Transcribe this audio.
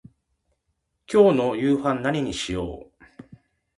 今日の夕飯何にしよう。